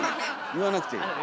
言わなくていい。